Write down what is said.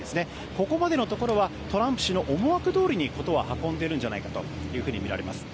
ここまでのところはトランプ氏の思惑どおりに事は運んでいるんじゃないかとみられます。